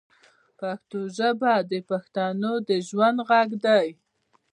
پښتو ژبه د بښتنو د ژوند ږغ دی